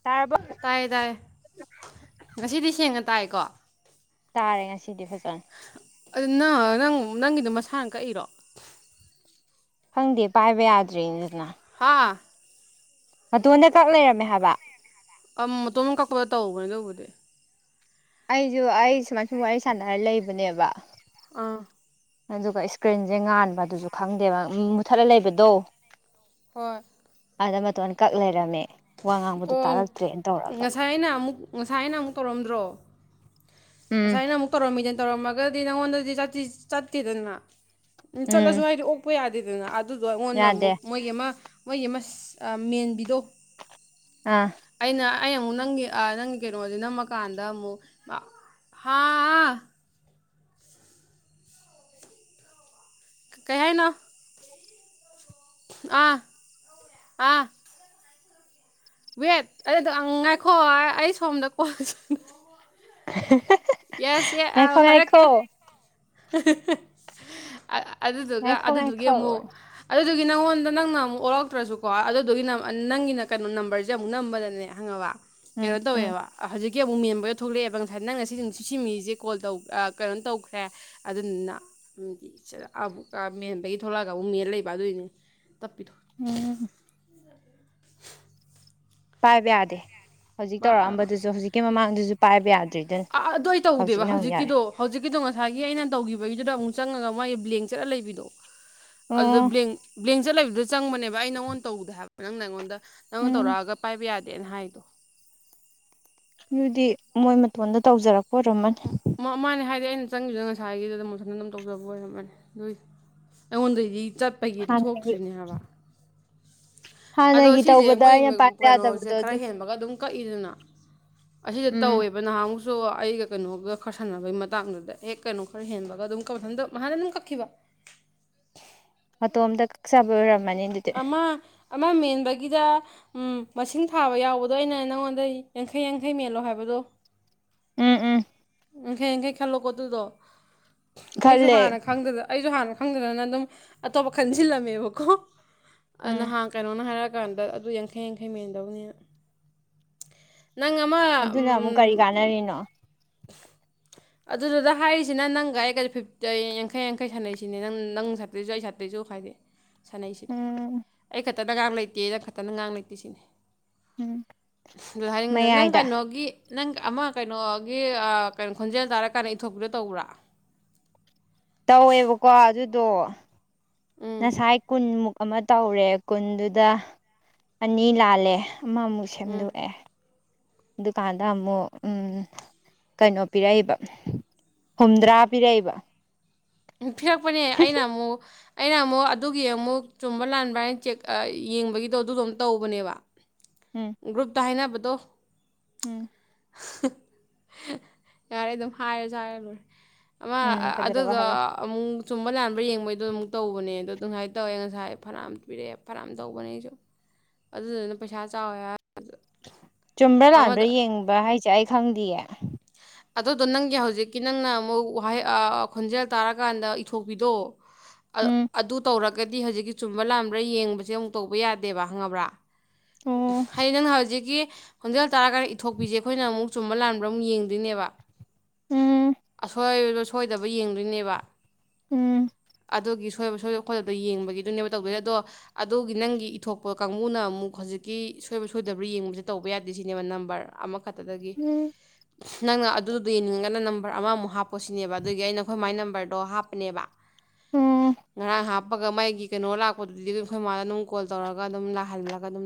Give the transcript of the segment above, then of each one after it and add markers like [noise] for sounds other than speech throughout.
ꯇꯥꯔꯕꯣ ꯇꯥꯏ ꯇꯥꯏ ꯉꯁꯤꯗꯤ ꯁꯦꯡꯅ ꯇꯥꯏ ꯀꯣ ꯇꯥꯔꯦ ꯉꯁꯤꯗꯤ ꯐꯖꯅ ꯑꯗꯨ ꯅꯪ ꯅꯪ ꯅꯪꯒꯤꯗꯣ ꯃꯁꯥꯅ ꯀꯛꯏꯔꯣ ꯈꯪꯗꯦ ꯄꯥꯏꯕ ꯌꯥꯗ꯭ꯔꯦꯅꯤꯗꯅ ꯍꯥꯥ ꯃꯇꯣꯟꯗ ꯀꯛ ꯂꯩꯔꯝꯃꯦ ꯍꯥꯏꯕ ꯃꯇꯣꯝ ꯑꯃ ꯀꯛꯄꯗ ꯇꯧꯕꯧꯕꯅꯦ ꯇꯧꯕꯗꯤ ꯑꯩꯁꯨ ꯑꯩ ꯁꯨꯃꯥꯏ ꯁꯨꯝ ꯋꯥꯔꯤ ꯁꯥꯟꯅꯔ ꯂꯩꯕꯅꯦꯕ ꯑꯥ ꯑꯗꯨꯒ ꯏꯁꯀ꯭ꯔꯤꯟꯁꯦ ꯉꯥꯟꯕ ꯑꯗꯨꯁꯨ ꯈꯪꯗꯦꯕ ꯃꯨꯊꯠꯂ ꯂꯩꯕꯗꯣ ꯍꯣꯏ ꯑꯥꯗ ꯃꯇꯣꯟ ꯀꯛ ꯂꯩꯔꯝꯃꯦ ꯋꯥ ꯉꯥꯡꯕꯗꯣ ꯑꯣ ꯇꯥꯔꯛꯇ꯭ꯔꯦꯅ ꯇꯧꯔꯒ ꯉꯁꯥꯏ ꯑꯩꯅ ꯑꯃꯨꯛ ꯉꯁꯥꯏ ꯑꯩꯅ ꯑꯃꯨꯛ ꯇꯧꯔꯝꯗ꯭ꯔꯣ ꯎꯝ ꯉꯁꯥꯏ ꯑꯅ ꯑꯃꯨꯛ ꯇꯧꯔꯝꯃꯤꯗ ꯇꯧꯔꯝꯃꯒꯗꯤ ꯅꯪꯉꯣꯟꯗꯗꯤꯤ ꯆꯠꯠꯇꯦꯗꯅ ꯎꯝ ꯆꯠꯂꯁꯨ ꯍꯥꯏꯗꯤ ꯑꯣꯛꯄ ꯌꯥꯗꯦ ꯑꯗꯨ ꯑꯗꯨꯗꯣ ꯑꯩꯉꯣꯟꯗ ꯌꯥꯗꯦ ꯑꯃꯨꯛ ꯃꯣꯏꯒꯤ ꯑꯃ ꯃꯣꯏ ꯃ ꯃꯦꯟꯕꯤꯗꯣ ꯑꯥ ꯑꯩꯅ ꯑꯩ ꯑꯃꯨꯛ ꯅꯪꯒꯤ ꯅꯪꯒꯤ ꯀꯩꯅꯣꯁꯦ ꯅꯝꯃꯀꯥꯟꯗ ꯑꯃꯨꯛ ꯍꯥ ꯀꯩ ꯍꯥꯏꯅꯣ ꯑꯥ ꯑ ꯋꯦꯠ ꯑꯗꯨꯗ ꯉꯥꯏꯈꯣ ꯑꯩ ꯁꯣꯝꯗ ꯀꯣꯜ ꯑꯌ ꯍꯦ [inaudible] ꯌꯦꯁ ꯍꯥꯏꯔꯛꯀꯦ ꯑꯗꯨꯗꯨꯒ ꯉꯥꯏꯈꯣ ꯑꯗꯨꯗꯨꯒꯤ ꯉꯥꯏꯈꯣ ꯑꯃꯨꯛ ꯑꯗꯨꯒꯤ ꯅꯪꯉꯣꯟꯗ ꯅꯪꯅ ꯑꯃꯨꯛ ꯑꯣꯔꯛꯇ꯭ꯔꯁꯨꯀꯣ ꯑꯗꯨꯗꯨꯒꯤ ꯅꯝ ꯅꯪꯒꯤꯅ ꯀꯩꯅꯣ ꯅꯝꯕꯔꯁꯤꯗ ꯑꯃꯨꯛ ꯅꯝꯕꯗꯅꯦ ꯈꯪꯉꯕ ꯎꯝ ꯀꯩꯅꯣ ꯎꯝ ꯇꯧꯋꯦꯕ ꯍꯧꯖꯤꯛ ꯀꯤ ꯑꯃꯨꯛ ꯃꯦꯟꯕꯗ ꯊꯣꯛꯂꯛꯑꯦꯕ ꯉꯁꯥꯏ ꯅꯪꯅ ꯁꯤꯁꯤꯡ ꯁꯤ ꯁꯤ ꯃꯤꯖꯦ ꯀꯣꯜ ꯑ ꯀꯩꯅꯣ ꯇꯧꯈ꯭ꯔꯦ ꯑꯗꯨꯗꯨꯅ ꯎꯝ ꯁꯤ ꯑ ꯑꯝ ꯃꯦꯟꯕꯒꯤ ꯊꯣꯛꯂꯛꯑꯒ ꯑꯃꯨꯛ ꯃꯦꯜ ꯂꯩꯕ ꯑꯗꯨꯏꯅꯤ ꯎꯝ ꯄꯥꯏꯕ ꯌꯥꯗꯦ ꯍꯧꯖꯤꯛ ꯇꯧꯔꯛꯑꯝꯕꯗꯨꯁꯨ ꯍꯧꯖꯤꯛꯀꯤ ꯃꯃꯥꯡꯗꯨꯁꯨ ꯁꯨ ꯄꯥꯏꯕ ꯌꯥꯗꯦ ꯑ ꯑꯗꯨꯏ ꯇꯧꯗꯦꯕ ꯍꯧꯖꯤꯛꯀꯤꯗꯣ ꯍꯧꯖꯤꯛꯀꯤꯗꯣ ꯉ ꯉꯁꯥꯏꯒꯤ ꯑꯩꯅ ꯇꯧꯈꯤꯕꯒꯤꯗꯨꯗ ꯑꯃꯨꯛ ꯆꯪꯉꯒ ꯃꯣꯏ ꯕ꯭ꯂꯦꯡ ꯆꯠꯂ ꯂꯩꯕꯤꯗꯣ ꯑꯗꯨꯗ ꯑꯣ ꯕ꯭ꯂꯦꯡ ꯕ꯭ꯂꯦꯡ ꯆꯠ ꯂꯩꯕꯗꯨ ꯆꯪꯕꯅꯦꯕ ꯑꯩ ꯅꯉꯣꯟ ꯇꯧꯗꯦ ꯍꯥꯏꯕ ꯅꯪꯅ ꯑꯩꯉꯣꯟꯗ ꯅꯪꯅ ꯎꯝ ꯇꯧꯔꯛꯑꯒ ꯄꯥꯏꯕ ꯌꯥꯗꯦ ꯇꯦꯟꯍꯥꯏ ꯑꯗꯨꯗꯤ ꯃꯣꯏ ꯃꯇꯣꯟꯗ ꯇꯧꯖꯔꯛ ꯃ ꯃꯥꯅꯦ ꯍꯥꯏ ꯆꯦ ꯑꯩꯅ ꯆꯪꯈꯤꯕꯗꯨꯅ ꯉꯁꯥꯏꯒꯤꯗ ꯃꯊꯟꯗ ꯑꯗꯨꯝ ꯇꯧꯖꯕ ꯑꯣꯏꯔꯝꯃꯅꯤ ꯑꯗꯨꯏ ꯑꯩꯉꯣꯟꯗꯩꯗꯤ ꯆꯠꯄꯒꯤꯗ ꯍꯥꯟꯅꯒꯤ ꯊꯣꯛꯇ꯭ꯔꯤꯅꯦ ꯍꯥꯏꯕ ꯑꯗꯣ ꯍꯥꯟꯅꯒꯤ ꯁꯤꯁꯦ ꯇꯧꯕꯗ ꯃꯣꯏ ꯑꯩꯅ ꯃ ꯄꯥꯏꯕ ꯀꯩꯅꯣꯁꯦ ꯌꯥꯗꯕꯗꯣ ꯈꯔ ꯑꯗꯨꯒꯤ ꯍꯦꯟꯕꯒ ꯑꯗꯨꯝ ꯀꯛ ꯏꯗꯅ ꯑꯁꯤꯗ ꯎꯝ ꯇꯧꯋꯦꯕ ꯅꯍꯥꯟꯃꯨꯛꯁꯨ ꯁꯣ ꯑꯩꯒ ꯀꯩꯅꯣꯒ ꯈꯔ ꯁꯥꯟꯅꯕꯒꯤ ꯃꯇꯥꯡꯗꯨꯗ ꯍꯦꯛ ꯀꯩꯅꯣ ꯈꯔ ꯍꯦꯟꯕꯒ ꯑꯗꯨꯝ ꯀ ꯃꯊꯟꯗ ꯃꯊꯟꯗ ꯑꯗꯨꯝ ꯀꯛꯈꯤꯕ ꯃꯇꯣꯝꯗ ꯀꯛꯆꯕ ꯑꯣꯏꯔꯝꯅꯤ ꯃꯥꯅꯤꯗꯨꯗ ꯑꯃ ꯑꯃ ꯃꯦꯟꯕꯒꯤꯗ ꯃꯁꯤꯡ ꯊꯥꯕ ꯌꯥꯎꯕꯗꯣ ꯑꯩꯅ ꯅꯪꯉꯣꯟꯗ ꯌꯥꯡꯈꯩ ꯌꯥꯡꯈꯩ ꯃꯦꯜꯂꯣ ꯍꯥꯏꯕꯗꯣ ꯎꯝ ꯎꯝ ꯌꯥꯡꯈꯩ ꯌꯥꯡꯈꯩ ꯈꯜꯂꯣ ꯀꯣ ꯑꯗꯨꯨꯗꯣ ꯑꯩꯖꯨ ꯈꯜꯂꯦ ꯍꯥꯟꯅ ꯈꯪꯗꯗ ꯑꯩꯖꯨ ꯍꯥꯟꯅ ꯈꯪꯗꯗꯅ ꯑꯗꯨꯝ ꯑꯇꯣꯞꯄ ꯈꯟꯖꯤꯜꯂꯝꯃꯦꯕꯀꯣ ꯑ ꯎꯝ ꯅꯍꯥꯟ ꯀꯩꯅꯣꯅ ꯍꯥꯏꯔ ꯀꯥꯟꯗ ꯑꯗꯨ ꯌꯥꯡꯈꯩ ꯌꯥꯡꯈꯩ ꯃꯦꯟꯗꯧꯅꯦꯅ ꯑꯗꯨꯅ ꯑꯃꯨꯛ ꯀꯔꯤ ꯀꯥꯟꯅꯔꯤꯅꯣ ꯑꯗꯨꯗꯨꯗ ꯍꯥꯏꯔꯤꯁꯤꯅ ꯅꯪꯒ ꯑꯩꯒ ꯐꯤꯞꯇ ꯌꯥꯡꯈꯩ ꯌꯥꯡꯈꯩ ꯁꯥꯟꯅꯩꯁꯤꯅꯦ ꯅꯪ ꯅꯪ ꯁꯥꯏꯇꯩꯁꯨ ꯑꯩ ꯁꯥꯏꯇꯩꯁꯨ ꯍꯥꯏꯗꯤ ꯁꯥꯟꯅꯩꯁꯤꯗꯤ ꯎꯝ ꯑꯩꯈꯠ ꯈꯠꯇꯅ ꯉꯥꯡ ꯂꯩꯇꯦꯅ ꯈꯠꯇꯅ ꯉꯥꯡ ꯂꯩꯇꯦ ꯁꯤꯅꯦ ꯎꯝ [unintelligible] ꯅꯪ ꯃꯌꯥꯏꯗ ꯀꯩꯅꯣꯒꯤ ꯅꯪ ꯑꯃꯃ ꯀꯩꯅꯣ ꯒꯤ ꯀꯩꯅꯣ ꯈꯣꯟꯖꯦꯜ ꯇꯥꯔꯀꯥꯟꯗ ꯏꯊꯣꯛꯄꯥꯗꯨ ꯇꯧꯕ꯭ꯔꯥ ꯇꯧꯋꯦꯕꯀꯣ ꯑꯗꯨꯗꯣ ꯎꯝ ꯉꯥꯁꯥꯏ ꯈꯨꯨꯟꯃꯨꯛ ꯑꯃ ꯇꯧꯔꯦ ꯀꯨꯟꯗꯨꯗ ꯑꯅꯤ ꯂꯥꯜꯂꯦ ꯑꯃꯃꯨꯛ ꯎꯝ ꯁꯦꯝꯗꯣꯛꯑꯦ ꯗꯨꯀꯥꯟꯗ ꯑꯃꯨꯛ ꯀꯩꯅꯣ ꯄꯤꯔꯛꯏꯕ ꯍꯨꯝꯇ꯭ꯔꯥ ꯄꯤꯔꯛꯏꯕ ꯄꯤꯔꯛꯄꯅꯦ ꯑꯩꯅ ꯑꯃꯨꯛ ꯑꯩꯅ ꯑꯃꯨꯛ ꯑꯗꯨꯒꯤ ꯑꯃꯨꯛ ꯆꯨꯝꯕ ꯂꯥꯟꯕ꯭ꯔꯥ ꯍꯥꯏꯅ ꯆꯦꯛ ꯌꯦꯡꯕꯒꯤꯗꯣ ꯑꯗꯨꯗꯣ ꯑꯃ ꯇꯧꯕꯅꯦꯕ ꯎꯝ ꯒ꯭ꯔꯨꯨꯞ ꯊꯅ ꯗꯣꯣ ꯎꯝ ꯌꯥꯔꯦ ꯑꯗꯨꯝ ꯍꯥꯏꯔꯁꯨ ꯍꯥꯏꯔꯦ ꯂꯔꯦ ꯎꯝ ꯑ ꯑꯗꯨ ꯀꯩꯗꯧꯔꯕ ꯍꯥꯏꯔꯣ ꯆꯨꯝꯕ ꯅꯥꯥꯟꯕ ꯌꯦꯡꯕꯩꯗꯣ ꯑꯃꯨꯛ ꯇꯧꯕꯅꯦ ꯑꯗꯣ ꯑꯗꯨ ꯉꯥꯏꯅ ꯇꯧꯋꯦ ꯉꯁꯥꯏ ꯐꯅꯥ ꯑꯃ ꯄꯤꯔꯛꯑꯦ ꯐꯅꯌꯥꯝ ꯇꯧꯕꯅꯦ ꯑꯩꯁꯨ ꯑꯗꯨꯗꯨꯅ ꯄꯩꯁꯥ ꯆꯥꯎꯋ ꯆꯨꯝꯕ꯭ꯔꯥ ꯂꯥꯟꯕ꯭ꯔꯥ ꯌꯦꯡꯕ ꯍꯥꯏꯁꯦ ꯑꯩ ꯈꯪꯗꯤꯌꯦ ꯑꯗꯨꯗꯣ ꯅꯪꯒꯤ ꯍꯧꯖꯤꯛꯀꯤ ꯅꯪꯅ ꯑꯃꯨꯛ ꯋꯥꯍꯩ ꯈꯣꯟꯖꯦꯜ ꯇꯥꯔꯀꯥꯟꯗ ꯏꯊꯣꯛꯄꯤꯗꯣ ꯎꯝ ꯑꯗꯨ ꯇꯧꯔ ꯒꯗꯤ ꯍꯧꯖꯤꯛꯀꯤ ꯆꯨꯝꯕ ꯂꯥꯥꯟꯕ꯭ꯔꯥ ꯌꯦꯡꯕꯁꯦ ꯑꯃꯨꯛ ꯇꯧꯕ ꯌꯥꯗꯦꯕ ꯈꯪꯉꯕ꯭ꯔꯥ ꯑꯣ ꯍꯥꯏꯗꯤ ꯅꯪꯅ ꯍꯧꯖꯤꯛꯀꯤ ꯍꯣꯟꯖꯤꯦꯜꯛ ꯇꯔ ꯀꯥꯟꯗ ꯏꯊꯣꯛꯄꯤꯁꯦ ꯑꯩꯈꯣꯏꯅ ꯑꯃꯨꯛ ꯆꯨꯝꯕ ꯂꯥꯟꯕ ꯑꯃꯛ ꯌꯦꯡꯗꯦ ꯅꯦꯕ ꯎꯝ ꯑꯁꯣꯏꯕ ꯁꯣꯏꯗꯕ ꯌꯦꯡꯗꯣꯏꯅꯦꯕ ꯎꯝ ꯑꯣꯒꯤ ꯁꯣꯏꯕ ꯁꯣꯏ ꯈꯣꯠꯇꯕ꯭ꯔ ꯌꯦꯡꯕꯒꯤꯗꯨꯅꯦꯕ ꯇꯧꯗꯣꯏꯁ ꯑꯗꯣ ꯑꯗꯨꯒꯤ ꯅꯪꯒꯤ ꯏꯊꯣꯛꯄ ꯀꯥꯡꯕꯨꯅ ꯑꯃꯨꯛ ꯍꯧꯖꯤꯛꯀꯤ ꯁꯣꯏꯕ ꯁꯣꯏꯗꯕ꯭ꯔꯥ ꯌꯦꯡꯕꯁꯦ ꯇꯧꯕ ꯌꯥꯗꯦ ꯁꯤꯅꯦꯕ ꯅꯝꯕꯔ ꯑꯃꯛ ꯐꯛꯇꯗꯒꯤ ꯎꯝ ꯅꯪꯅ ꯑꯗꯨꯗꯨꯗꯣ ꯌꯦꯡꯅꯤꯡꯉꯒꯅ ꯅꯝꯕꯔ ꯑꯃꯃꯨꯛ ꯍꯥꯞꯄ ꯁꯤꯅꯦꯕ ꯑꯗꯨꯒꯤ ꯑꯩꯅ ꯑꯩꯈꯣꯏ ꯃꯥꯏ ꯅꯝꯕꯔꯗꯣ ꯍꯥꯞꯄꯅꯦꯕ ꯎꯝ ꯉꯔ ꯍꯥꯞ ꯍꯥꯞꯄꯒ ꯃꯥꯒꯤ ꯀꯩꯅꯣ ꯂꯥꯛꯄꯗꯨꯗꯤ ꯑꯗꯨꯝ ꯑꯩꯈꯣꯏ ꯃꯥꯗ ꯑꯗꯨꯝ ꯀꯣꯜ ꯇꯧꯔꯒ ꯑꯗꯨꯝ ꯂꯥꯛꯍꯜꯂꯒ ꯑꯗꯨꯝ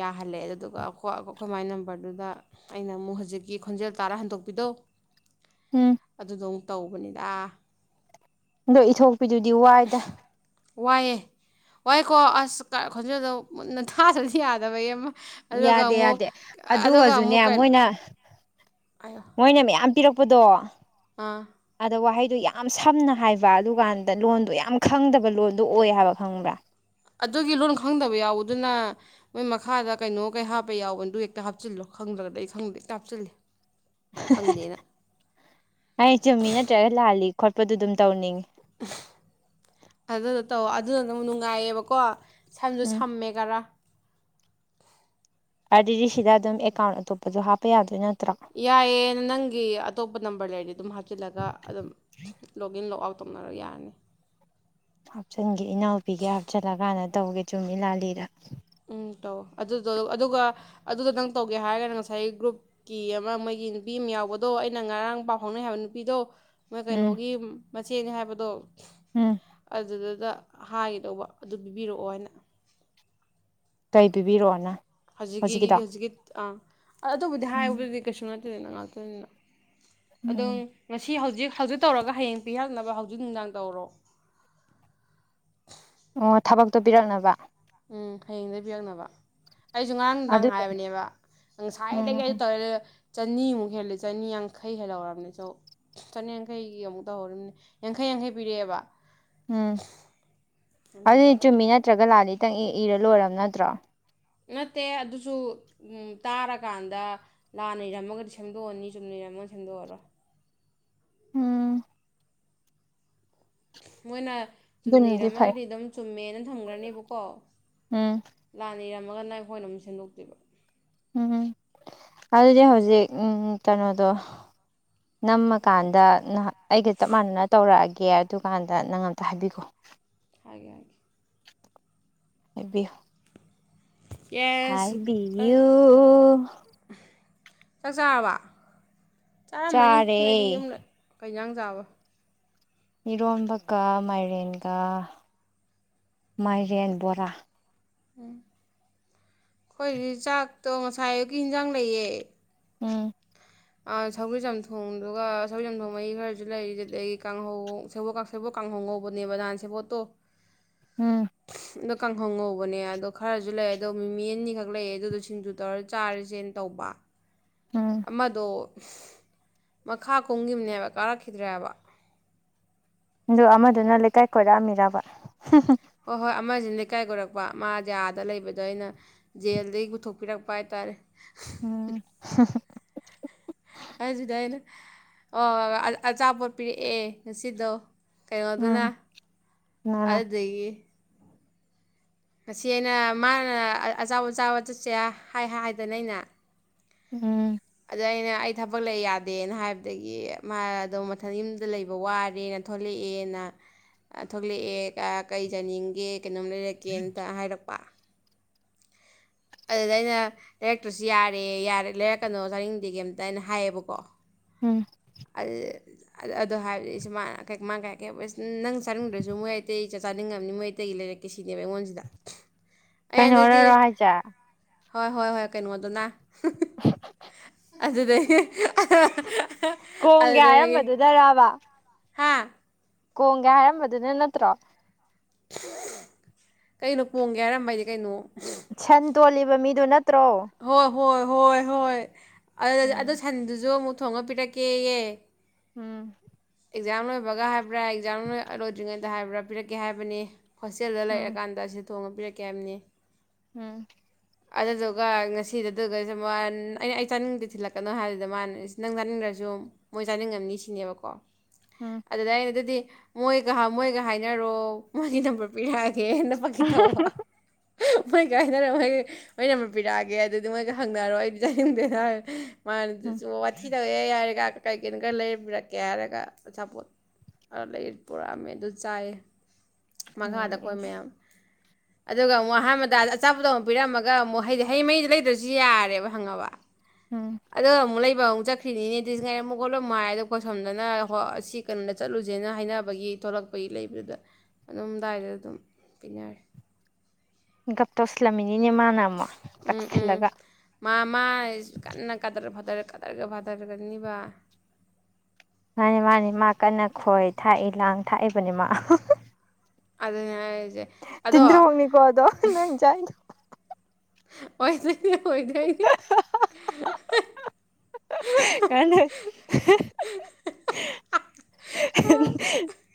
ꯌꯥꯍꯜꯂꯦ ꯑꯗꯨꯗꯨꯒ ꯑꯩꯈꯣꯏ ꯃꯥꯥꯏꯒꯤ ꯅꯝꯕꯔꯗꯨꯗ ꯑꯩꯅ ꯑꯃꯨꯛ ꯍꯧꯖꯤꯛꯀꯤ ꯈꯣꯟꯖꯦꯜ ꯇꯥꯔꯥ ꯍꯟꯗꯣꯛꯄꯤꯗꯣ ꯎꯝ ꯑꯗꯨꯗ ꯇꯧꯕꯅꯤꯗ ꯑꯗꯣ ꯏꯊꯣꯛꯄꯤꯗꯨꯗꯤ ꯋꯥꯏꯗ ꯋꯥꯏꯑꯦ ꯋꯥꯏꯀꯣ ꯑꯁ ꯈꯟꯖꯦꯜꯗꯣ ꯃꯨꯟꯅ ꯊꯥꯗꯗꯤ ꯌꯥꯗꯕꯒꯤ ꯑꯃ ꯑꯗꯨꯒ ꯌꯥꯗꯦ ꯑꯃꯨꯛ ꯌꯥꯗꯦ ꯑꯗꯨꯒ ꯑꯗꯨꯒꯖꯨꯅꯦ ꯑꯃꯨꯛ ꯀꯩꯅꯣ ꯃꯣꯏꯅ ꯃꯣꯏꯅ ꯃꯌꯥꯝ ꯌꯥꯝ ꯄꯤꯔꯛꯄꯗꯣ ꯑꯥ ꯑꯗꯣ ꯋꯥꯍꯩꯗꫭ ꯌꯥꯝ ꯁꯝꯅ ꯍꯥꯏꯕ ꯑꯗꯨꯀꯥꯟꯗ ꯂꯣꯟꯗꯣ ꯌꯥꯝ ꯈꯪꯗꯕ ꯂꯣꯟꯗꯣ ꯑꯣꯏ ꯍꯥꯏꯕ ꯈꯪꯕ꯭ꯔꯥ ꯑꯗꯨꯒꯤ ꯂꯣꯟ ꯈꯪꯗꯕ ꯌꯥꯎꯕ ꯑꯗꯨꯅ ꯃꯣꯏ ꯃꯈꯥꯗ ꯀꯩꯅꯣ ꯀꯩ ꯍꯥꯞꯄ ꯌꯥꯎꯕ ꯑꯗꯨ ꯍꯦꯛꯇ ꯍꯥꯞꯆꯤꯜꯂꯣ ꯈꯪꯗ꯭ꯔꯒꯗꯤ ꯑꯩ ꯈꯪꯗ ꯍꯦꯛꯇ ꯍꯥꯞꯆꯤꯜꯂꯦ ꯈꯪꯗꯦꯅ [unintelligible] ꯑꯩ ꯆꯨꯝꯃꯤ ꯅꯠꯇ꯭ꯔꯒ ꯂꯥꯜꯂꯤ ꯈꯣꯠꯄꯗꯨ ꯑꯗꯨꯝ ꯇꯧꯅꯤꯡꯉꯤ ꯑꯗꯨꯗꫭ ꯇꯧ ꯑꯗꯨꯗꯨꯅ ꯑꯗꯨꯅ ꯑꯗꯨꯝ ꯅꯨꯡꯉꯥꯏꯌꯦꯕꯀꯣ ꯁꯝꯖꯨ ꯎꯝ ꯁꯝꯃꯦꯈꯔꯥ [inaudible] ꯑꯗꯨꯗꯤ ꯁꯤꯗ ꯑꯗꯨꯝ ꯑꯦꯀꯥꯎꯟ ꯑꯇꯣꯞꯄꯁꯨ ꯍꯥꯞꯄ ꯌꯥꯗꯣꯏ ꯅꯠꯇ ꯌꯥꯏꯑꯦ ꯅꯪꯒꯤ ꯑꯇꯣꯞꯄ ꯅꯝꯕꯔ ꯂꯩ ꯑꯗꯨꯝ ꯍꯥꯞꯆꯤꯜꯂꯒ ꯑꯗꯨꯝ ꯂꯣꯛ ꯏꯟ ꯂꯣꯛ ꯑꯥꯎꯠ ꯇꯧꯅꯔ ꯌꯥꯔꯅꯤ ꯍꯥꯞꯆꯤꯟꯒꯦ ꯏꯅꯥꯎꯄꯤꯒꯤ ꯍꯥꯞꯆꯤꯜꯂꯀꯥꯟꯗ ꯇꯧꯒꯦ ꯆꯨꯝꯃꯤ ꯂꯥꯜꯂꯤꯗꫭ ꯎꯝ ꯇꯧ ꯑꯗꯨꯗꯣ ꯑꯗꯨꯒ ꯑꯗꯨꯗꯣ ꯅꯪ ꯇꯧꯒꯦ ꯍꯥꯏꯔꯒꯅ ꯉꯁꯥꯏ ꯒ꯭ꯔꯨꯞꯀꯤ ꯑꯃ ꯃꯣꯏꯒꯤ ꯅꯨꯄꯤ ꯑꯃ ꯌꯥꯎꯕꯗꯣ ꯑꯩꯅ ꯉꯔꯥꯡ ꯄꯥꯎ ꯐꯥꯎꯅꯩ ꯍꯥꯏꯕ ꯅꯨꯄꯤꯗꯣ ꯃ ꯎꯝ ꯀꯩꯅꯣꯒꯤ ꯏꯆꯦꯅꯦ ꯍꯥꯏꯕꯗꯣ ꯎꯝ ꯑꯗꯨꯗ ꯑꯗꯨꯗ ꯍꯥꯏꯒꯤꯗꯧꯕ ꯑꯗꯨ ꯄꯤꯕꯤꯔꯛꯑꯣ ꯍꯥꯏꯅ ꯀꯩ ꯄꯤꯕꯤꯔꯛꯑꯣꯅ ꯍꯧꯖꯤꯛꯀꯤ ꯍꯧꯖꯤꯛꯀꯤꯗꯣ ꯍꯧꯖꯤꯛꯀꯤ ꯑ ꯑ ꯑꯗꯨꯕꯨꯗꯤ ꯎꯝ ꯌꯥꯏꯕꯗꯨꯗꯤ ꯀꯩꯁꯨ [unintelligible] ꯉꯛꯇꯅꯤꯅꯥ ꯑꯗꯣ ꯎꯝ ꯉꯁꯤ ꯍꯧꯖꯤꯛ ꯍꯧꯖꯤꯛ ꯇꯧꯔꯒ ꯍꯌꯦꯡ ꯄꯤꯔꯛꯅꯕ ꯍꯧꯖꯤꯛ ꯅꯨꯡꯗꯥꯡ ꯇꯧꯔꯣ ꯑꯣ ꯊꯕꯛꯇꯣ ꯄꯤꯔꯛꯅꯕ ꯎꯝ ꯍꯌꯦꯡꯗꯒꯤ ꯄꯤꯔꯛꯅꯕ ꯑꯩꯁꯨ ꯉꯔꯥꯡ ꯅꯨꯡꯗꯥꯡ ꯑꯗꯨ ꯍꯥꯏꯕꯅꯦꯕ ꯉꯁꯥꯏꯗꯒꯤ ꯑꯗꯨ ꯎꯝ ꯇꯧꯔꯦ ꯆꯅꯤꯃꯨꯛ ꯍꯦꯜꯂ ꯆꯅꯤ ꯌꯥꯡꯈꯩ ꯍꯦꯜꯍꯧꯔꯕꯅꯤ ꯆ ꯆꯅꯤꯌꯥꯡꯈꯩꯒꯤ ꯑꯃꯨꯛ ꯇꯧꯍꯧꯅꯤ ꯌꯥꯡꯈꯩ ꯌꯥꯡꯈꯩ ꯄꯤꯔꯛꯑꯦꯕ ꯎꯝ ꯑꯗꯨꯗꯣ ꯑꯗꯨꯗꯤ ꯆꯨꯝꯃꯤ ꯅꯠꯇ꯭ꯔꯒ ꯂꯥꯛꯑꯅꯤꯇꯪ ꯏꯔ ꯂꯣꯏꯔꯝ ꯅꯠꯇ꯭ꯔꯣ ꯅꯠꯇꯦ ꯑꯗꯨꯁꯨ ꯇꯥꯔꯀꯥꯟꯗ ꯂꯥꯟꯅ ꯏꯔꯝꯃꯒꯗꯤ ꯁꯦꯝꯗꯣꯛꯑꯅꯤ ꯆꯨꯝꯅ ꯏꯔꯝꯃꯒ ꯁꯦꯝꯗꯣꯛꯑꯔꯣꯏ ꯎꯝ ꯃꯣꯏꯅ ꯑꯗꯨꯅꯗꯤ ꯐꯩ ꯆꯨꯝꯅꯤꯔꯝꯃꯒꯗꯤ ꯑꯗꯨꯝ ꯆꯨꯝꯃꯦꯅ ꯊꯝꯈ꯭ꯔꯅꯦꯕꯀꯣ ꯎꯝ ꯂꯥꯟꯅ ꯏꯔꯝ ꯑꯃꯃꯒꯅ ꯑꯩꯈꯣꯏꯅ ꯑꯃꯨꯛ ꯁꯦꯝꯗꯣꯛꯇꯣꯏꯕ ꯎꯝ ꯑꯗꯨꯗꯤ ꯍꯧꯖꯤꯛ ꯀꯩꯅꯣꯗꯣ ꯅꯝꯃꯀꯥꯟꯗ ꯑꯩꯒ ꯆꯞ ꯃꯥꯟꯅꯅ ꯇꯧꯔꯛꯑꯒꯦ ꯑꯗꯨꯀꯥꯟꯗ ꯅꯪ ꯑꯝꯇ ꯍꯥꯏꯕꯤꯈꯣ ꯍꯥꯏꯒꯦ ꯍꯥꯏꯒꯦ ꯍꯥꯏꯕꯤꯌꯨ ꯌꯦꯁ ꯑꯩ ꯍꯥꯏꯕꯤꯌꯨ ꯆꯥꯛ ꯆꯔꯕꯥ ꯆꯥꯔꯝꯃꯅꯤ ꯆꯥꯔꯦ ꯅꯣꯏꯗꯤ ꯌꯨꯝꯗ ꯀꯩꯌꯥꯥꯡ ꯆꯕ ꯏꯔꯣꯝꯕꯀ ꯃꯥꯏꯔꯦꯟꯒ ꯃꯥꯏꯔꯦꯟ ꯕꯣꯔꯥ ꯎꯝ ꯑꯩꯈꯣꯏꯗꯤ ꯆꯥꯛꯇꯣ ꯉꯁꯥꯏ ꯑꯒꯤ ꯌꯦꯟꯖꯥꯡ ꯂꯩꯌꯦ ꯎꯝ ꯁꯧꯒꯔꯤ ꯆꯝꯊꯣꯡꯗꯨꯒ ꯁꯧꯒꯔꯤ ꯆꯝꯊꯣꯡ ꯃꯍꯤ ꯈꯔꯁꯨ ꯂꯩꯔꯤꯁꯤ ꯑꯩ ꯀꯥꯡꯍꯧ ꯁꯦꯕꯣꯠ ꯀꯥꯡꯍꯧ ꯉꯧꯕꯅꯦꯕ ꯅꯍꯥꯟ ꯁꯦꯕꯣꯠꯇꯣ ꯎꯝ ꯁꯨꯝ ꯀꯥꯡꯍꯧ ꯉꯧꯕꯅꯦ ꯑꯗꯣ ꯈꯔꯁꯨ ꯂꯩ ꯑꯗꯣ ꯃꯤꯃꯤ ꯑꯅꯤꯈꯛ ꯂꯩꯦ ꯑꯗꯨꯗꯣ ꯁꯤꯡꯖꯨ ꯇꯧꯔ ꯆꯥꯔꯁꯦꯅ ꯇꯧꯕ ꯎꯝ ꯑꯃꯗꯣ ꯃꯈꯥ ꯀꯨꯝꯒꯤꯝꯅꯦꯕ ꯀꯥꯔꯛꯈꯤꯗ꯭ꯔꯦꯕ ꯑꯗꯨ ꯑꯃꯗꯨꯅ ꯂꯩꯀꯥꯏ ꯀꯣꯏꯔꯛ ꯑꯝꯃꯤꯔꯕ ꯍꯣꯏ ꯍꯣꯏ ꯑꯃꯁꯤꯅ ꯂꯩꯀꯥꯏ ꯈꯣꯏꯔꯛꯄ ꯃꯥ ꯌꯥꯗ ꯂꯩꯕꯗꯣ ꯑꯩꯅ ꯖꯦꯜꯗꯒꯤ ꯄꯨꯊꯣꯛ ꯄꯤꯔꯛꯄ ꯍꯥꯏꯇꯥꯔꯦ ꯎꯝ ꯑꯗꯨꯗ ꯑꯩꯅ ꯑꯣ ꯑꯆꯥꯄꯣꯠ ꯄꯤꯔꯛꯑꯦ ꯉꯁꯤꯗꯣ ꯎꯝ ꯀꯩꯅꯣꯗꯨꯅ ꯀꯅꯥꯅ ꯑꯗꯨꯗꯒꯤ ꯉꯁꯤ ꯑꯩꯅ ꯃꯥꯅ ꯑꯖꯥꯎ ꯑꯖꯥꯎ ꯆꯠꯁꯦ ꯍꯥꯏ ꯍꯥꯏꯗꯅ ꯑꯩꯅ ꯎꯝ ꯑꯗ ꯑꯩꯅ ꯑꯩ ꯊꯕꯛ ꯂꯩ ꯌꯥꯗꯦꯅ ꯍꯥꯏꯕꯗꯒꯤ ꯃꯥ ꯑꯗꯣ ꯃꯊꯪ ꯌꯨꯝꯗ ꯂꯩꯕ ꯋꯥꯔꯦꯅ ꯊꯣꯛꯂꯛꯑꯦꯅ ꯊꯣꯛꯂꯛꯑꯦ ꯀꯩꯖꯅꯤꯡꯒꯦ ꯀꯩꯅꯣꯝ ꯂꯩꯔꯛꯀꯦꯅꯇ ꯍꯥꯏꯔꯛꯄ ꯑꯗꯨꯗ ꯑꯩꯅ ꯂꯩꯔꯛꯇ꯭ꯔꯁꯨ ꯌꯥꯔꯦ ꯂꯩꯔꯛꯀꯅꯣ ꯆꯥꯅꯤꯡꯗꯦ ꯀꯩꯝ ꯑꯝꯇ ꯑꯩꯅ ꯍꯥꯏꯌꯦꯕꯀꯣ ꯎꯝ ꯑꯗꯣ ꯍꯥꯏꯕꯗꯤ ꯃꯥꯁ ꯅꯪ ꯆꯥꯅꯤꯡꯗ꯭ꯔꯁꯨ ꯃꯣꯏ ꯑꯇꯩ ꯆꯥꯅꯤꯡꯉꯕꯅꯤ ꯃꯣꯏ ꯑꯇꯩꯒꯤ ꯂꯩꯔꯛꯀꯦ ꯁꯤꯅꯦꯕ ꯑꯩꯉꯣꯟꯁꯤꯗ ꯀꯥꯏꯅꯤ ꯅꯥ ꯑꯩꯉꯣꯟꯗꯗꯤ ꯔꯣ ꯍꯥꯏꯁꯦ꯫ ꯍꯣꯏ ꯍꯣꯏ ꯍꯣꯏ ꯀꯩꯅꯣꯗꯨꯅ ꯑꯗꯨꯗꯨꯒꯤ ꯑ ꯈꯣꯡꯒꯦ ꯍꯥꯏꯔꯝꯕꯗꯨꯗꯔꯕ ꯍꯥ ꯀꯣꯡꯒꯦ ꯍꯥꯏꯔꯝꯕꯗꯨꯅ ꯅꯠꯇ꯭ꯔꯣ ꯀꯩꯅꯣ ꯄꯣꯡꯒꯦ ꯍꯥꯏꯔꯝꯕꯗꯤ ꯀꯩꯅꯣ ꯁꯟ ꯇꯣꯜꯂꯤꯕ ꯃꯤꯗꯨ ꯅ ꯨ ꯇ꯭ꯔꯣ ꯍꯣꯏ ꯍꯣꯏ ꯍꯣꯏ ꯑꯗꯨ ꯎꯝ ꯁꯟꯗꯨꯁꯨ ꯑꯃꯨꯛ ꯊꯣꯡꯉ ꯄꯤꯇꯥ ꯀꯦꯌꯦ ꯎꯝ ꯑꯦꯛꯖꯥꯝ ꯂꯣꯏꯕꯒ ꯍꯥꯏꯕ꯭ꯔꯥ ꯑꯦꯛꯖꯥꯝꯣꯏ ꯂꯣꯏꯗ꯭ꯔꯤꯉꯩꯗ ꯍꯥꯏꯕ꯭ꯔꯥ ꯄꯤꯔꯛꯀꯦ ꯍꯥꯏꯕꯅꯤ ꯍꯣꯁꯇꯦꯜꯗ ꯎꯝ ꯂꯩꯔꯑꯀꯥꯟꯗ ꯁꯤ ꯊꯣꯡꯉꯕꯤꯔꯛꯀꯦ ꯍꯥꯏꯕꯅꯤ ꯎꯝ ꯑ ꯑꯗꯨ ꯑꯗꯨꯒ ꯉꯁꯤꯗꯗꯨꯒꯁꯨ ꯃꯥ ꯑꯩꯅ ꯑꯩ ꯆꯥꯅꯤꯡꯕꯗ ꯊꯤꯜꯂꯛꯀꯅꯣ ꯍꯥꯏꯗꯨꯗ ꯃꯥ ꯅꯪ ꯆꯥꯅꯤꯡꯗ꯭ꯔꯁꯨ ꯃꯣꯏ ꯆꯥꯅꯤꯡꯉꯅꯤ ꯁꯤꯅꯦꯕꯀꯣ ꯑꯗꯨꯗ ꯑꯩꯅ ꯑꯗꯨꯗꯤ ꯃꯣꯏꯒ ꯃꯣꯏꯒ ꯍꯥꯏꯅꯔꯣ ꯃꯥꯅꯤ ꯅꯝꯕꯔ ꯄꯤꯔꯛꯑ ꯐꯦ ꯍꯦꯅ ꯐꯥꯒꯤ ꯊꯧꯕ ꯃꯩ ꯀꯥꯏꯅꯔꯣꯏ ꯑꯣꯏꯅ ꯄꯤꯔꯛꯑꯒꯦ ꯑꯗꯨꯗꯤ ꯃꯣꯏꯒ ꯍꯪꯅꯔꯣꯏ ꯑꯩ ꯆꯡꯗꯣꯏꯔ ꯎꯝ ꯃꯥꯅ ꯋꯥꯊꯤ ꯇꯧꯑꯦ ꯍꯥꯏꯔꯦꯒ ꯀꯩ ꯀꯅꯣ ꯈꯔ ꯂꯩꯔꯛꯀꯦ ꯍꯥꯏꯔꯒ ꯑꯆꯥꯄꯣꯠ ꯄꯨꯔꯛꯑꯝꯃꯦ ꯑꯗꯨ ꯆꯥꯏ ꯃꯈꯥꯗ ꯎꯝ ꯑꯩꯈꯣꯏ ꯎꯝ ꯃꯌꯥꯝ ꯑꯗꯨꯒ ꯑꯃꯨꯛ ꯑꯍꯥꯟꯕꯗꯗ ꯑꯆꯥꯄꯣ ꯑꯃꯨꯛ ꯄꯤꯔꯝꯃꯒ ꯑꯃꯨꯛ ꯍꯩꯗꯤ ꯍꯩꯉꯩꯗ ꯂꯩꯗ꯭ꯔꯁꯨ ꯌꯥꯔꯦꯕ ꯍꯪꯉꯕ ꯎꯝ ꯑꯗꯣ ꯃꯂ ꯂꯩꯕ ꯑꯃꯨꯛ ꯆꯠꯈ꯭ꯔꯤꯅꯤꯅꯦꯗꯤꯁ ꯉꯥꯏꯔꯝꯃꯨꯛ ꯈꯣꯠꯂꯝ ꯃ ꯍꯥꯏ ꯑꯗꯣ ꯈꯣꯠꯁꯝꯗꯅ ꯍꯣꯏ ꯑꯁꯤ ꯀꯩꯅꯣꯗ ꯆꯠꯂꯨꯁꯦꯅ ꯍꯥꯏꯅꯕꯒꯤ ꯊꯣꯛꯂꯛꯄꯒꯤ ꯂꯩꯕꯗꯨꯗ ꯑꯗꯨꯝꯗꯥꯏꯗ ꯑꯗꯨꯝ ꯄꯤꯅꯔꯦ ꯒꯞꯇ ꯑꯁꯂꯃꯤ ꯅꯦ ꯃꯥꯅ ꯑꯃꯨꯛ ꯎꯝ ꯎꯝ ꯇꯛꯁꯤꯜꯂꯒ ꯃꯥ ꯃꯥ ꯀꯟꯅ ꯀꯗꯔ ꯐꯗꯔ ꯀꯗꯔꯒ ꯐꯥꯗꯔꯒꯅꯤꯕ ꯃꯥꯅꯤ ꯃꯥꯅꯤ ꯃꯥ ꯀꯟꯅ ꯈꯣꯏ ꯊꯥꯛꯏ ꯂꯥꯡ ꯊꯥꯛꯏꯕꯅꯤ ꯃꯥ ꯑꯗ ꯌꯥ ꯇꯤꯟ꯭ꯔ ꯍꯒꯅꯤ ꯀꯣꯋꯥꯗꯣ ꯅꯪ ꯆꯥꯏꯣ ꯑꯣꯏꯁ ꯑꯣꯏꯣꯏꯗꯏ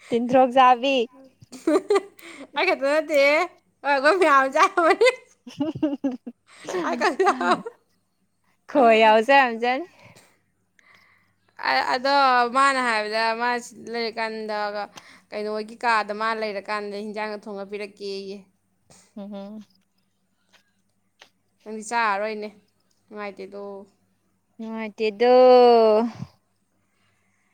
ꯇꯤꯟꯗ꯭ꯔꯣꯛ ꯆꯥꯕꯤ ꯑꯩ ꯈꯦꯇ ꯅꯠꯇꯦꯈ ꯃꯖ ꯑꯩ ꯈꯛꯇ ꯈꯣꯏ ꯑꯎꯖ ꯑꯖꯟ ꯑꯗꯣ ꯃꯥꯅ ꯍꯥꯏꯕꯗ ꯃꯥꯁꯤ ꯂꯩꯔꯀꯥꯟꯗ ꯀꯩꯅꯣꯒꯤ ꯀꯥꯗ ꯃꯥꯅ ꯂꯩꯔꯀꯥꯟꯗ ꯍꯤꯟꯖꯥꯡꯒ ꯊꯣꯡꯉ ꯄꯤꯔꯛꯀꯦꯌꯦ ꯎꯝ ꯅꯪꯗꯤ ꯆꯥꯔꯔꯣꯏꯅꯦ ꯅꯨꯡꯉꯥꯏꯇꯦꯗꯣ ꯃꯅꯨꯡꯥꯏꯇꯗꯣ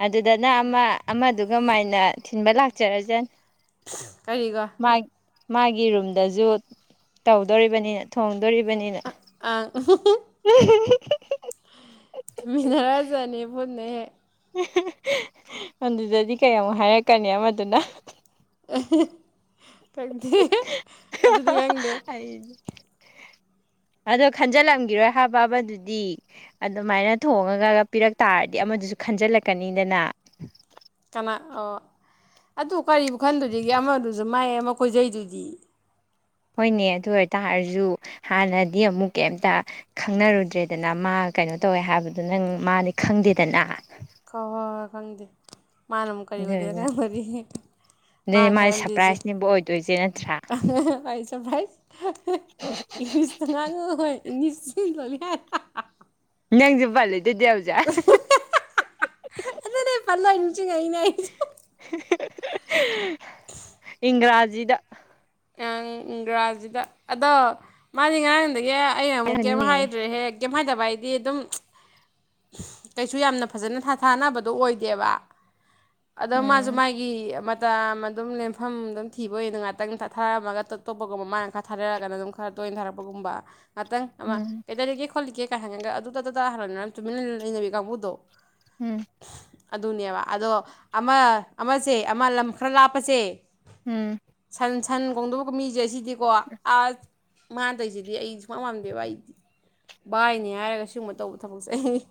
ꯑꯗꯨꯗꯅ ꯑꯃ ꯑꯃꯗꯨꯒ ꯃꯥꯏꯅ ꯊꯤꯟꯕ ꯂꯥꯛꯆꯔꯁꯅꯤ ꯀꯔꯤꯒ ꯃꯥꯒꯤ ꯔꯨꯝꯗꯁꯨ ꯇꯧꯗꯣꯔꯤꯕꯅꯤꯅ ꯊ ꯗꯣꯔꯤꯕꯅꯤꯅ ꯎ [unintelligible] [unintelligible] ꯊꯤꯃꯤꯟꯅꯔꯖꯅꯤ ꯄꯨꯟꯅ ꯍꯦꯛ ꯑꯗꯨꯗꯗꯤ ꯀꯩꯃꯨꯛ ꯍꯥꯏꯔꯛꯀꯅꯤ ꯑꯃꯗꯨꯅ [unintelligible] ꯈꯪꯗꯦ ꯑꯗꯨꯗꯤ ꯈꯪꯗꯦ ꯑꯩ ꯑꯗꯣ ꯈꯟꯖꯤꯜꯂꯝꯈꯤꯔꯣꯏ ꯍꯥꯕꯗꯨꯗꯤ ꯑꯗꯨꯃꯥꯏꯅ ꯊꯣꯡꯉꯒꯒ ꯄꯤꯔꯛ ꯇꯥꯔꯗꯤ ꯑꯃꯗꯨꯁꯨ ꯈꯟꯖꯤꯜꯂꯛꯀꯅꯤꯗꯅ ꯀꯅꯥ ꯑꯣ ꯑꯗꯨ ꯀꯔꯤꯕꯨ ꯈꯟꯗꯨꯔꯤꯒꯦ ꯑꯃ ꯑ ꯃꯥꯏꯌꯦ ꯑꯃꯥ ꯈꯣꯏꯖꯩꯗꯨꯗꯤ ꯍꯣꯏꯅꯦ ꯑꯗꯨ ꯑꯣꯏꯇꯥꯔꯁꯨ ꯍꯥꯟꯅꯗꯤ ꯑꯃꯨꯛ ꯀꯩꯝꯇ ꯈꯪꯅꯔꯨꯗ꯭ꯔꯦꯗꯅ ꯃꯥ ꯀꯩꯅꯣ ꯇꯧꯋꯦ ꯍꯥꯏꯕꯗꯨ ꯅꯪ ꯃꯥꯗꯤ ꯈꯪꯗꯦꯗꯅ [unintelligible] ꯐꯪꯗꯦ ꯃꯥꯅ ꯑꯃꯨꯛ ꯀꯔꯤ ꯑꯣꯏꯗꯣꯏꯅ ꯑꯗꯨꯗꯨꯅ ꯈꯜꯕꯗꯤ ꯃꯥ ꯑꯗꯨꯗꯤ ꯃꯥꯗꯤ ꯈꯜꯍꯟꯗꯔꯤꯁꯦ ꯁꯔꯄ꯭ꯔꯥꯏꯖꯅꯦꯕ ꯑꯣꯏꯗꯣꯏꯁꯦ ꯅꯠꯇ꯭ꯔꯥ ꯑꯩꯁꯦ ꯄꯥꯏꯁ ꯏꯪꯂꯤꯁꯇ ꯉꯥꯡꯉꯨ ꯍꯣꯏ ꯏꯪꯂꯤꯁ ꯁꯤꯅꯤ ꯍꯥꯏ ꯅꯥꯪꯁꯨ ꯞꯂꯤ ꯑꯗꯅꯦ ꯐꯂ ꯏꯅꯤꯆꯨ ꯀꯩꯅ ꯍꯥꯏ [unintelligible] ꯏꯪ꯭ꯔꯥꯖꯤꯗ ꯏꯪꯒ꯭ꯔꯥꯖꯤꯗ ꯑꯗꯣ ꯃꯥꯗꯤ ꯉꯔꯥꯡꯗꯒꯤ ꯑꯩꯅ ꯑꯃꯨꯛ ꯀꯩꯝ ꯍꯥꯏꯕꯅꯦ ꯍꯥꯏꯗ꯭ꯔꯦ ꯀꯩꯝ ꯍꯥꯏꯠꯦ ꯚ ꯍꯥꯏꯗꯤ ꯑꯗꯨꯝ ꯀꯩꯁꯨ ꯌꯥꯝꯅ ꯐꯖꯅ ꯊꯥꯊꯥꯅꯕꯗꯣ ꯑꯣꯏꯗꯦꯕ ꯑꯗꯣ ꯃꯥꯁꯨ ꯎꯝ ꯃꯥꯒꯤ ꯑꯗꯨꯝ ꯂꯦꯝꯐꯝ ꯑꯗꯨꯝ ꯊꯤꯕ ꯑꯣꯏꯗ ꯉꯥꯛꯇꯪ ꯊꯥꯔꯝꯃꯒ ꯑꯞꯇꯣꯞꯄꯒꯨꯝ ꯃꯅ ꯈꯔ ꯊꯥꯗꯔꯒꯅ ꯑꯗꯨꯝ ꯈꯔ ꯇꯣꯏꯅꯊꯥꯔꯛꯄꯒꯨꯝꯕ ꯍꯥꯇꯪ ꯑꯃ ꯎꯝ ꯀꯩꯇꯥꯔꯤꯒꯦ ꯈꯣꯜꯂꯤꯒꯦ ꯀꯩ ꯍꯥꯏꯪꯉꯒ ꯑꯗꯨꯗ ꯑꯗꯨ ꯇꯥꯈꯔꯔꯕꯅꯤꯅ ꯅꯅ ꯆꯨꯃꯤꯟꯅ ꯂꯩꯅꯕꯤ ꯀꯥꯡꯕꯨꯗꯣ ꯎꯝ ꯑꯗꯨꯅꯦꯕ ꯑꯗꯣ ꯑꯃ ꯑꯃꯁꯦ ꯑꯃ ꯂꯝ ꯈꯔ ꯂꯥꯞꯄꯁꯦ ꯎꯝ ꯁꯟ ꯁꯟ ꯈꯣꯡꯗꯧꯕ ꯃꯤꯁꯦ ꯁꯤꯗꯤꯀꯣ ꯑꯁ ꯃꯥꯥ ꯇꯧꯁꯤꯗꯤ ꯑꯩ ꯁꯨꯡꯄꯥꯝ ꯄꯝꯗꯦꯕ ꯑꯩꯗꯤ ꯚꯥꯏꯅꯤ ꯍꯥꯏꯔꯒ ꯁꯤꯒꯨꯝꯕ ꯇꯧꯕ ꯊꯕꯛꯁꯦ ꯑꯩꯅꯤ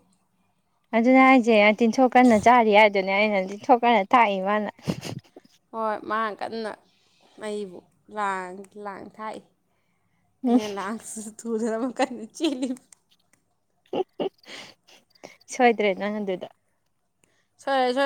ꯑꯗꯨꯅꯦ ꯑꯩꯁꯦ ꯇꯤꯟꯊꯣꯛꯀꯟꯅ ꯆꯥꯔꯤ ꯍꯥꯏꯗꯨꯅꯦ ꯑꯩꯅ ꯇꯤꯟꯊꯣꯛꯀꯟꯅ ꯊꯥꯛꯏ ꯃꯥꯅ ꯍꯣꯏ ꯃꯥ ꯀꯟꯅ ꯑꯩꯕꯨ ꯂꯥꯡ ꯂꯥꯡ ꯊꯥꯛꯏ ꯎꯝ ꯑꯩ ꯂꯥꯡꯁꯨ ꯇꯨꯔꯦꯜ ꯑꯃ ꯀꯟꯅ ꯆꯦꯂꯤ ꯁꯣꯏꯗ꯭ꯔꯦ ꯅꯪ ꯑꯗꯨꯗ ꯁꯣꯏꯔꯣꯏ ꯁꯣ